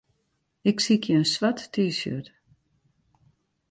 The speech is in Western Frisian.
Ik sykje in swart T-shirt.